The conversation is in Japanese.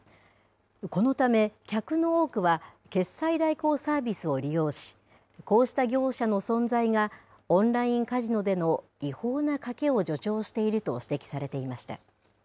このため、客の多くは決済代行サービスを利用し、こうした業者の存在がオンラインカジノでの違法な賭けを助長していると指摘されていました。